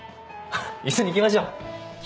一緒に行きましょう。